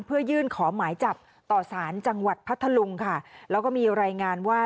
เพื่อยื่นขอหมายจับต่อสารจังหวัดพัทธลุงค่ะแล้วก็มีรายงานว่า